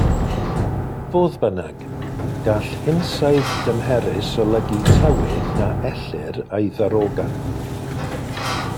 Fodd bynnag, gall hinsawdd dymherus olygu tywydd na ellir ei ddarogan.